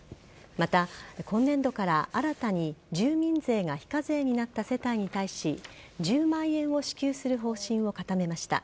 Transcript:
また、今年度から新たに住民税が非課税になった世帯に対し１０万円を支給する方針を固めました。